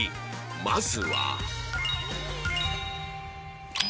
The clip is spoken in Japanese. まずは